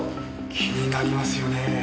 気になりますよねえ。